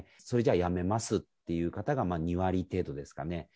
それじゃあやめますという方が２割程度ですかね。